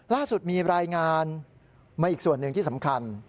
ล่าสุดมีรายงานมาอีกส่วนหนึ่งที่สำคัญ